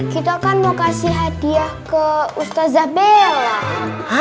kita akan mau kasih hadiah ke ustazah bella